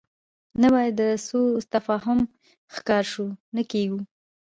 نه باید د سوء تفاهم ښکار شو، نه کېږو.